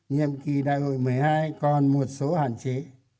nhiệm kỳ đại hội một mươi hai còn một số hạn chế